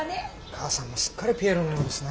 母さんもすっかりピエロのようですね。